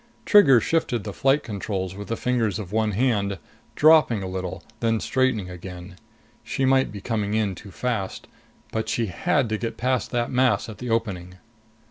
Trigger shifted the flight controls with the fingers of one hand, dropping a little, then straightening again. She might be coming in too fast. But she had to get past that mass at the opening.